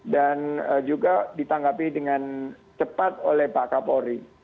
dan juga ditanggapi dengan cepat oleh pak kapolri